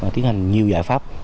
tiến hành nhiều giải pháp